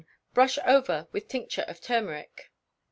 Brush over with tincture of turmeric.